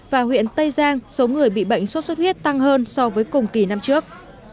và huyện tây giang số người bị bệnh sốt xuất huyết tăng hơn so với cùng kỳ năm trước